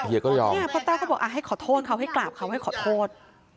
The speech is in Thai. พี่เฮียก็เลยบอกอ้าวให้ขอโทษเขาให้กราบเขาขอโทษ